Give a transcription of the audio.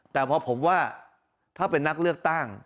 แต่พอผมว่าถ้าเป็นนักเลือกตั้ง